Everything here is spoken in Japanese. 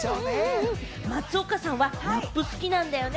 松岡さんはラップ好きなんだよね？